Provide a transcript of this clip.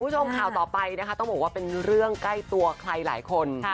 คุณผู้ชมข่าวต่อไปนะคะต้องบอกว่าเป็นเรื่องใกล้ตัวใครหลายคน